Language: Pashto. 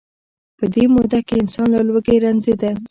په دې موده کې انسان له لوږې رنځیده.